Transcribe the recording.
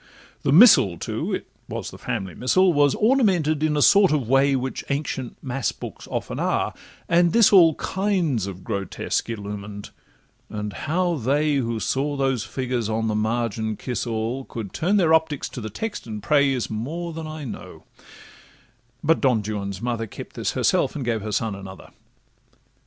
The Missal too (it was the family Missal) Was ornamented in a sort of way Which ancient mass books often are, and this all Kinds of grotesques illumined; and how they, Who saw those figures on the margin kiss all, Could turn their optics to the text and pray, Is more than I know—But Don Juan's mother Kept this herself, and gave her son another.